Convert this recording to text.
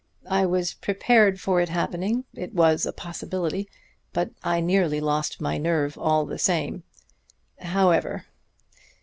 I was prepared for it happening; it was a possibility; but I nearly lost my nerve all the same. However....